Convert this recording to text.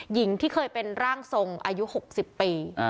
หญิงที่เคยเป็นร่างทรงอายุ๖๐ปี